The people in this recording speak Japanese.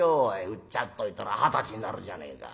うっちゃっといたら二十歳になるじゃねえか。